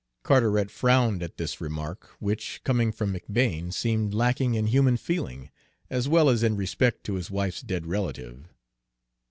Carteret frowned at this remark, which, coming from McBane, seemed lacking in human feeling, as well as in respect to his wife's dead relative.